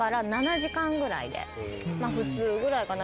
普通ぐらいかな。